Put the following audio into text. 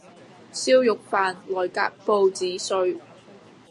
燒肉飯內夾報紙碎